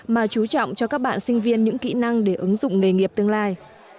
mà chú trọng cho các bạn sinh viên những kỹ năng để ứng dụng nghề nghiệp tương lai